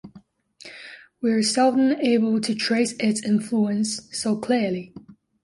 We are seldom able to trace its influence so clearly.